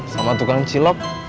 sama tukang cilok